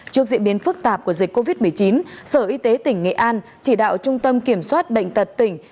trước diễn biến phức tạp của dịch covid một mươi chín sở y tế tỉnh nghệ an chỉ đạo trung tâm kiểm soát bệnh tật tỉnh